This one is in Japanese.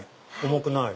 重くない。